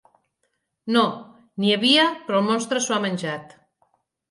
No; n'hi havia, però el monstre s'ho ha menjat.